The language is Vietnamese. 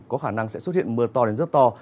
có khả năng sẽ xuất hiện mưa to đến rất to